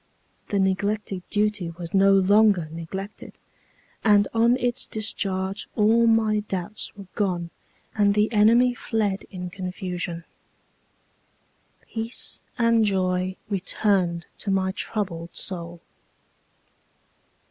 The neglected duty was no longer neglected, and on its discharge all my doubts were gone, and the enemy fled in confusion. Peace and joy returned to my troubled soul.